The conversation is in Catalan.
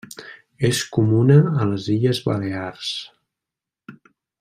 És comuna a les Illes Balears.